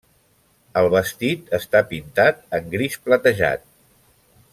El vestit està pintat en gris platejat.